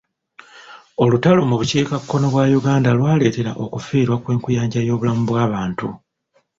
Olutalo mu bukiika kkono bwa Uganda lwaleetera okufiirwa kw'enkuyanja y'obulamu bw'abantu.